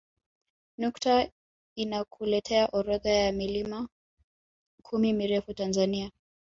Nukta inakuletea orodha ya milima kumi mirefu Tanzania